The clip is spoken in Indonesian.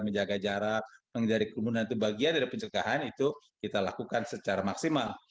menjaga jarak menghindari kerumunan itu bagian dari pencegahan itu kita lakukan secara maksimal